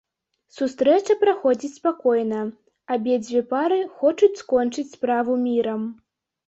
Сустрэча праходзіць спакойна, абедзве пары хочуць скончыць справу мірам.